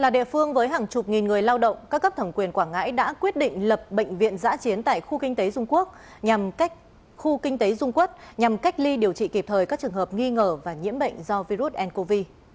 quảng ngãi đã quyết định lập bệnh viện giã chiến tại khu kinh tế dung quốc nhằm cách ly điều trị kịp thời các trường hợp nghi ngờ và nhiễm bệnh do virus ncov